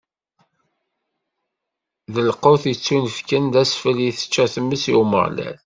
D lqut yettunefken d asfel i tečča tmes, i Umeɣlal.